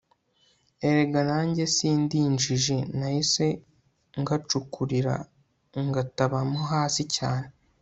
erega nanjye sindinjiji nahise ngacukurira ngataba mo hasi cyane